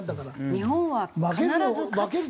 「日本は必ず勝つ」。